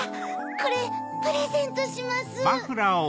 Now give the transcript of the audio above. これプレゼントします！